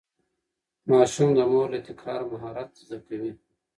ماشوم د مور له تکرار مهارت زده کوي.